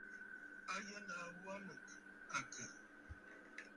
A yə nàa ghu aa nɨ àkə̀?